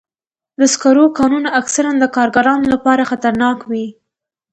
د سکرو کانونه اکثراً د کارګرانو لپاره خطرناک وي.